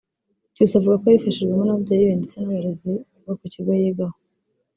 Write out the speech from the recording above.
Cyusa avuga ko yabifashijwemo n’ababyeyi be ndetse n’abarezi bo ku kigo yigaho